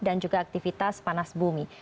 dan juga aktivitas panas bumi